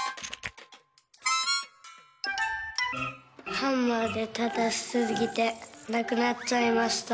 「ハンマーでたたきすぎてなくなっちゃいました」。